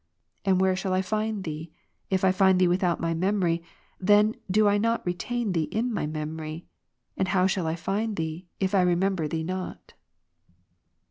And where shall I find Thee? If I find Thee without my memory, then do I not retain Thee in my me mory. And how shall I find Thee, if I remember Thee not?